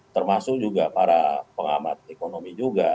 termasuk juga para pengamat ekonomi juga